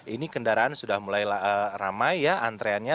ini kendaraan sudah mulai ramai ya antreannya